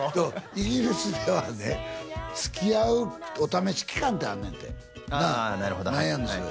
イギリスではねつきあうお試し期間ってあんねんてああなるほどはい何やのそれ？